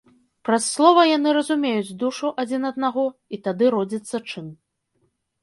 Праз слова яны разумеюць душу адзін аднаго, і тады родзіцца чын.